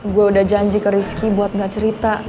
gue udah janji ke rizky buat gak cerita